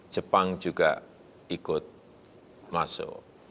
jepang juga ikut masuk